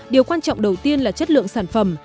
điều quan trọng đầu tiên là chất lượng sản phẩm